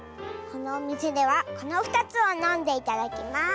このおみせではこの２つをのんでいただきます。